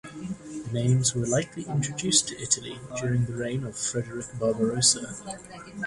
The names were likely introduced to Italy during the reign of Frederick Barbarossa.